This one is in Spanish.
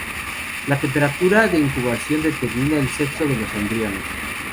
La temperatura de incubación determina el sexo de los embriones.